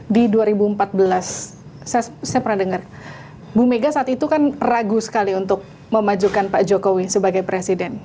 di dua ribu empat belas saya pernah dengar bu mega saat itu kan ragu sekali untuk memajukan pak jokowi sebagai presiden